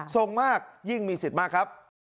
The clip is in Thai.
ทรงมากยิ่งมีสิทธิ์มากครับ